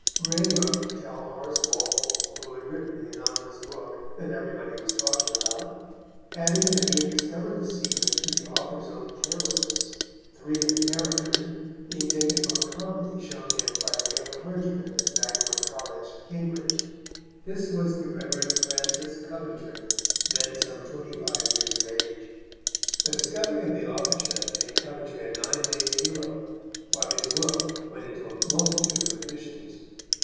Gray wrote to tell Horace Walpole who had written the anonymous book that everybody was talking about, adding that he had discovered the secret through the author's own carelessness, three of the characters being taken from a comedy shown him by a young clergyman at Magdalen College, Cambridge. This was the Rev. Francis Coventry, then some twenty five years of age. The discovery of the authorship made Coventry a nine days' hero, while his book went into a multitude of editions.